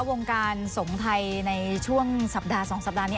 วงการสงฆ์ไทยในช่วงสัปดาห์๒สัปดาห์นี้